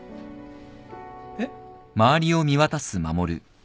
えっ？